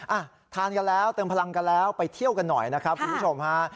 อ่ะทานกันแล้วเติมพลังกันแล้วไปเที่ยวกันหน่อยนะครับคุณผู้ชมฮะ